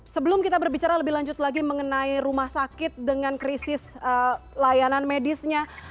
sebelum kita berbicara lebih lanjut lagi mengenai rumah sakit dengan krisis layanan medisnya